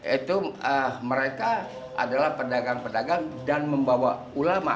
itu mereka adalah pedagang pedagang dan membawa ulama